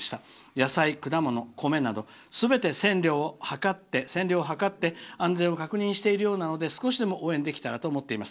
野菜、果物、米などすべて線量を測って安全を確認しているようなので少しでも応援できたらと思っております。